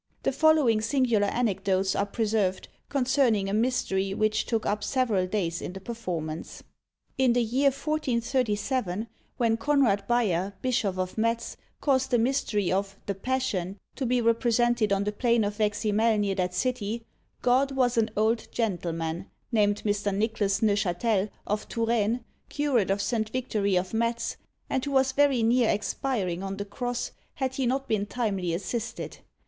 The following singular anecdotes are preserved, concerning a Mystery which took up several days in the performance. "In the year 1437, when Conrad Bayer, Bishop of Metz, caused the Mystery of 'The Passion' to be represented on the plain of Veximel near that city, God was an old gentleman, named Mr. Nicholas Neufchatel, of Touraine, curate of Saint Victory, of Metz, and who was very near expiring on the cross had he not been timely assisted.